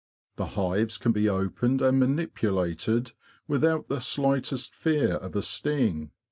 The hives can be opened and manipulated without the slightest fear of a sting.